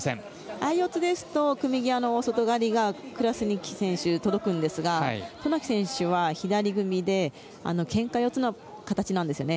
相四つですとクラスニチ選手は届くんですが渡名喜選手は左組みでけんか四つの形なんですね。